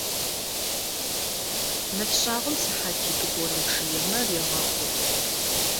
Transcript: Нэфшъагъом сыхьатитӏу горэм чъыемэ регъэкъу.